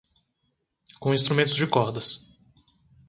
Com instrumentos de cordas.